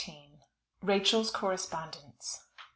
RACHEL'S CORRESPONDENCE.